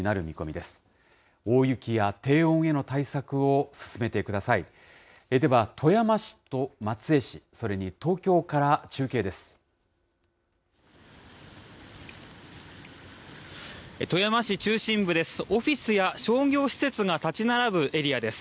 では、富山市と松江市、それに東京から中継です。